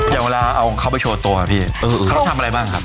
อย่างเวลาเอาของเขาไปโชว์ตัวพี่เขาทำอะไรบ้างครับ